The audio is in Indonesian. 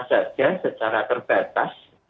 saja secara terbatas